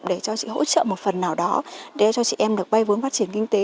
để cho chị hỗ trợ một phần nào đó để cho chị em được vay vốn phát triển kinh tế